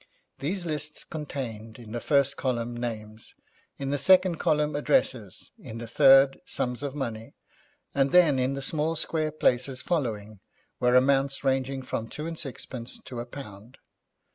These lists contained in the first column, names; in the second column, addresses; in the third, sums of money; and then in the small, square places following were amounts ranging from two and sixpence to a pound.